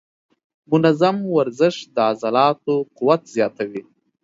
منظم ورزش د عضلاتو قوت زیاتوي.